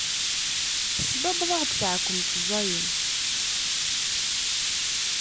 Tesbabbeḍ-aɣ taɛkemt ẓẓayen.